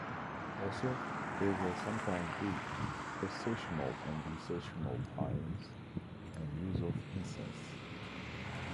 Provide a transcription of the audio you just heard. Also, there will sometimes be processional and recessional hymns, and use of incense.